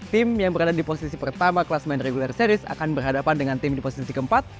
tim yang berada di posisi pertama kelas main regular series akan berhadapan dengan tim di posisi keempat